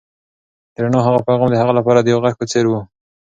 د رڼا هغه پيغام د هغه لپاره د یو غږ په څېر و.